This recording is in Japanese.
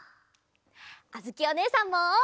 あづきおねえさんも！